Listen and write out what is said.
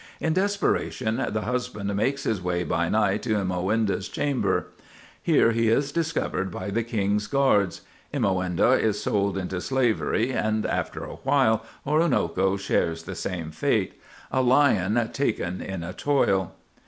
In desperation, the husband makes his way by night to Imoinda's chamber. Here he is discovered by the king's guards; Imoinda is sold into slavery; and after a while Oroonoko shares the same fate—"a lion taken in a toil."